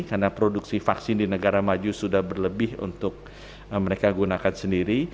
karena produksi vaksin di negara maju sudah berlebih untuk mereka gunakan sendiri